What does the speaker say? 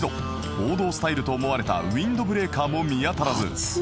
王道スタイルと思われたウインドブレーカーも見当たらず